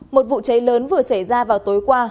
một vụ cháy lớn vừa xảy ra vào tối qua